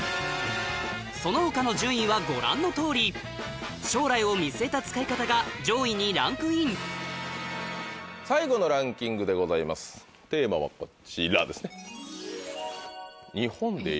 その他の順位はご覧のとおり将来を見据えた使い方が上位にランクイン最後のランキングでございますテーマはこちらですね。